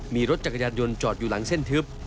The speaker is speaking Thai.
มีรถจักรยานยนต์จอดอยู่หลังเส้นทึบ